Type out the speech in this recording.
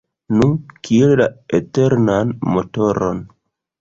Nu, kiel la eternan motoron.